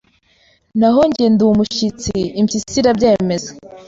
naho njyewe ndi umushyitsi Impyisi irabyemeza